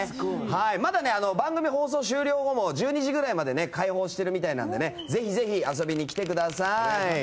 まだ番組放送終了後も１２時ぐらいまで開放しているみたいなのでぜひぜひ遊びに来てください。